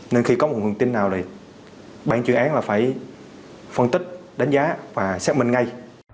nên khi có một nguồn tin nào thì ban chuyên án là phải phân tích đánh giá và xác minh ngay